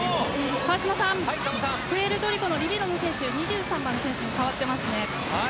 川島さん、プエルトリコのリベロの選手が２３番の選手に代わっています。